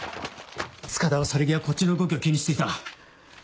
塚田は去り際こっちの動きを気にしていた。